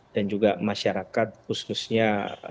dan juga masyarakat khususnya